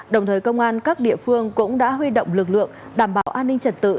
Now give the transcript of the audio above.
đồng thời công an các địa phương cũng đã huy động lực lượng đảm bảo an ninh trật tự